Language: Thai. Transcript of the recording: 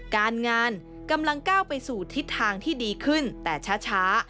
การงานกำลังก้าวไปสู่ทิศทางที่ดีขึ้นแต่ช้า